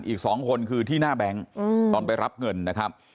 อีก๒คนคือที่หน้าแบงค์ตอนไปรับเงินนะครับ